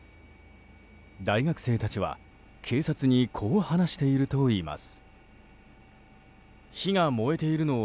大学生たちは、警察にこう話しているといいます。